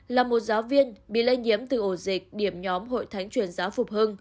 là một giáo viên bị lây nhiễm từ ổ dịch điểm nhóm hội thánh truyền giáo phục hưng